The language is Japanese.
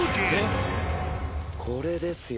これですよ。